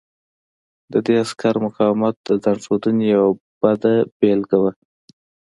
د دې عسکر مقاومت د ځان ښودنې یوه بده بېلګه وه